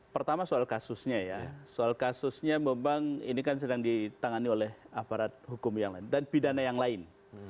pertama soal kasusnya ya soal kasusnya memang ini kan sedang ditangani oleh aparat hukum yang lain dan pidana yang lain